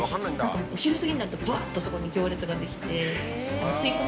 お昼過ぎになるとブワっとそこに行列ができて。